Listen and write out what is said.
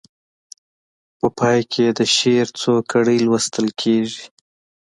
په پای کې یې د شعر څو کړۍ لوستل کیږي.